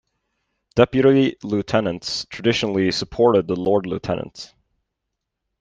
Deputy Lieutenants traditionally supported the Lord-Lieutenant.